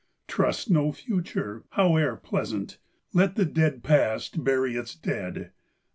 Trust no Future, howe'er pleasant! Let the dead Past bury its dead!